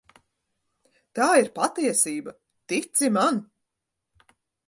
Tā ir patiesība, tici man.